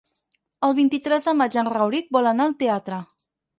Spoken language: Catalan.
El vint-i-tres de maig en Rauric vol anar al teatre.